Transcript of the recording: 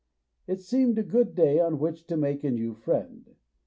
It seemed a good day on which to make a new friend.